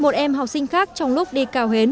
một em học sinh khác trong lúc đi cào hến